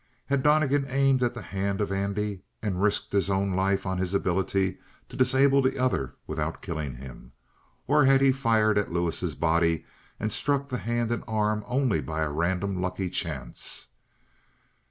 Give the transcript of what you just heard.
Had Donnegan aimed at the hand of Andy and risked his own life on his ability to disable the other without killing him? Or had he fired at Lewis' body and struck the hand and arm only by a random lucky chance?